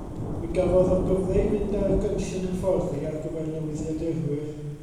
Mi gafodd o gyfle i fynd ar gynllun hyfforddi ar gyfer newyddiadurwyr.